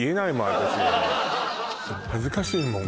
私恥ずかしいもん